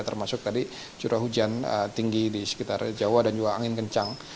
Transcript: termasuk tadi curah hujan tinggi di sekitar jawa dan juga angin kencang